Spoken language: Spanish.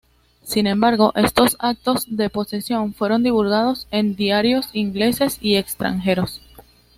Sin embargo, estos actos de posesión fueron divulgados en diarios ingleses y extranjeros.